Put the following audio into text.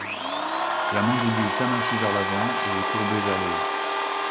La mandibule s'amincit vers l'avant et est courbée vers le haut.